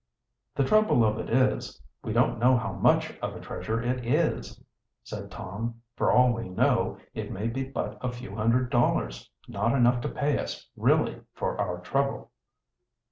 "The trouble of it is, we don't know how much of a treasure it is," said Tom. "For all we know, it may be but a few hundred dollars not enough to pay us, really, for our trouble."